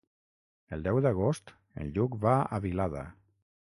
El deu d'agost en Lluc va a Vilada.